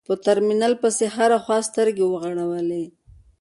په ترمينل پسې مې هره خوا سترګې وغړولې.